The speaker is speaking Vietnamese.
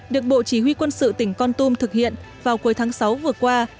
được bộ chỉ huy quân sự tỉnh con tum thực hiện vào cuối tháng sáu vừa qua